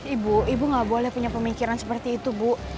ibu ibu nggak boleh punya pemikiran seperti itu bu